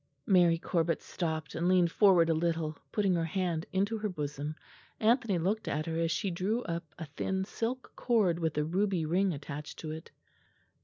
Mary Corbet stopped, and leaned forward a little, putting her hand into her bosom; Anthony looked at her as she drew up a thin silk cord with a ruby ring attached to it.